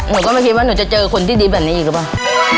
หนูก็ไม่คิดว่าหนูจะเจอคนที่ดีแบบนี้อีกหรือเปล่า